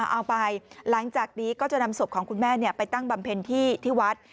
เอาไปหลังจากนี้ก็จะนำศพของคุณแม่ไปตั้งบำเพ็ญที่วัด